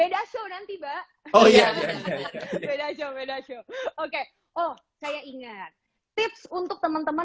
dan juga o